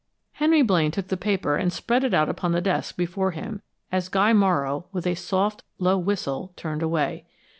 Henry Blaine took the paper and spread it out upon the desk before him, as Guy Morrow, with a soft, low whistle, turned away.